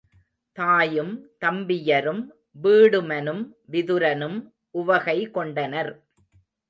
தாயும், தம்பியரும், வீடுமனும், விதுரனும் உவகை கொண்டனர்.